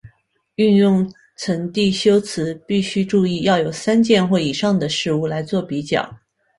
运用层递修辞必须注意要有三件或以上的事物来作比较。